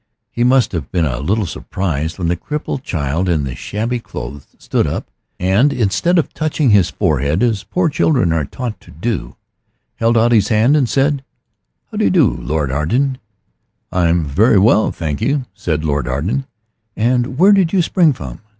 He must have been a little surprised when the crippled child in the shabby clothes stood up, and instead of touching his forehead, as poor children are taught to do, held out his hand and said "How do you do, Lord Arden?" "I am very well, I thank you," said Lord Arden. "And where did you spring from?